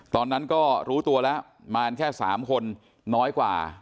ตอนนั้นก็รู้ตัวแล้วมากันแค่๓คนน้อยกว่า